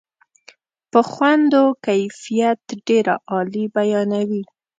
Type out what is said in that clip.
په خوند و کیفیت ډېره عالي بیانوي.